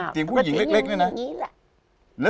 เสียงผู้หญิงเล็กเนี่ยนะ